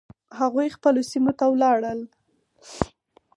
هغوی خپلو سیمو ته ولاړل.